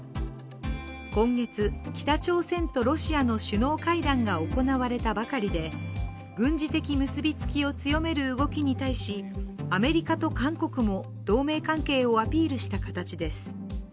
今月、北朝鮮とロシアの首脳会談が行われたばかりで軍事的結びつきを強める動きに対しアメリカと韓国も同盟関係をアピールした形です。